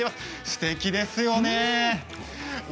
すてきですよね。